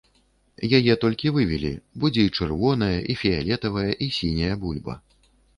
Яе толькі вывелі, будзе і чырвоная, і фіялетавая, і сіняя бульба.